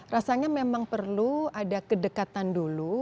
rasanya memang perlu ada kedekatan dulu